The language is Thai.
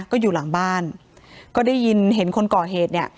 ก็อยู่หลังบ้านก็ได้ยินเห็นคนก่อเหตุเนี่ย